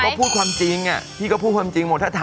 แล้วคุณพูดกับอันนี้ก็ไม่รู้นะผมว่ามันความเป็นส่วนตัวซึ่งกัน